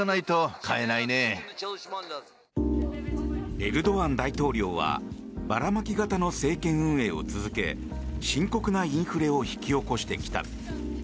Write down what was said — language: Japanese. エルドアン大統領はばらまき型の政権運営を続け深刻なインフレを引き起こしてきた。